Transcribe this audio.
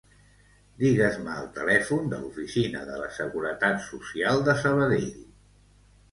Digues-me el telèfon de l'oficina de la Seguretat Social de Sabadell.